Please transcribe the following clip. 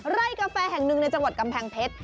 กาแฟแห่งหนึ่งในจังหวัดกำแพงเพชร